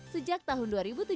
sejak tahun dua ribu tujuh belas